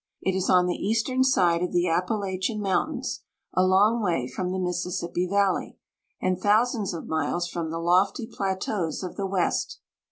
It is on the eastern side of the Appala chian Mountains, a long way from the Mississippi Valley, and thousands of miles from the lofty plateaus of the West.